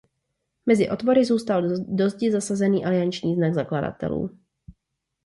Mezi otvory zůstal do zdi zasazený alianční znak zakladatelů.